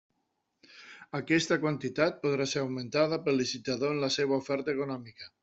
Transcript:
Aquesta quantitat podrà ser augmentada pel licitador en la seua oferta econòmica.